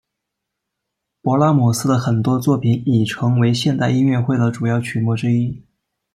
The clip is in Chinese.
勃拉姆斯的很多作品已成为现代音乐会的主要曲目之一。